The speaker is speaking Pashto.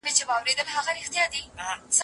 هغه ليکوال چي د خلګو لپاره ليکي تل بريالی وي.